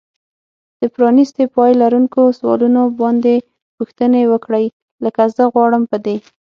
د پرانیستي پای لرونکو سوالونو باندې پوښتنې وکړئ. لکه زه غواړم په دې